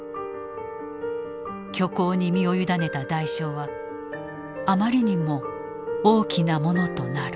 虚構に身を委ねた代償はあまりにも大きなものとなる。